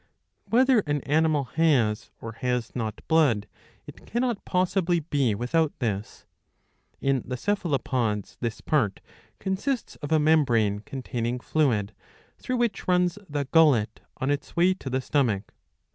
Whether an animal has or has not blood, it cannot possibly be without this. In the Cephalopods this part consists of a membrane, containing fluid, through which runs the gullet on its way to the stomach.